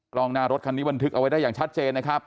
กล้องหน้ารถคันนี้บันทึกเอาไว้ได้อย่างชัดเจนนะครับ